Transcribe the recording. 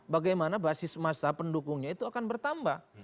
bagaimana basis masa pendukungnya itu akan bertambah